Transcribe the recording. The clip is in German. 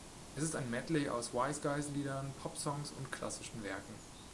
Es ist ein Medley aus Wise-Guys-Liedern, Popsongs und klassischen Werken.